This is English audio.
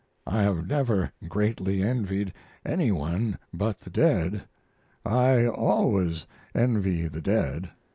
I have never greatly envied any one but the dead. I always envy the dead."